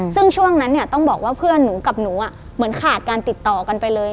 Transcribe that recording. ซึ่งช่วงนั้นเนี่ยต้องบอกว่าเพื่อนหนูกับหนูเหมือนขาดการติดต่อกันไปเลย